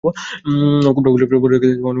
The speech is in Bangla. কুমড়া ফুলের বড়া খেতে অনেকেই পছন্দ করেন।